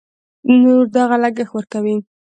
نور دغه لګښت ورکوي.